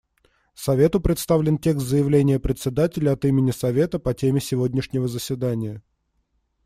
Совету представлен текст заявления Председателя от имени Совета по теме сегодняшнего заседания.